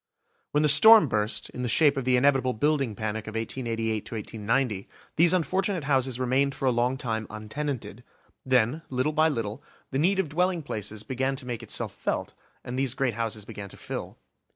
When the storm burst, in the shape of the inevitable building panic of 1888 to 1890, these unfortunate houses remained for a long time untenanted. Then, little by little, the need of dwelling places began to make itself felt, and these great houses began to fill.